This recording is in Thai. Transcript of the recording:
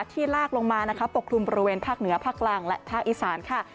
ลากลงมานะคะปกคลุมบริเวณภาคเหนือภาคล่างและภาคอีสานค่ะ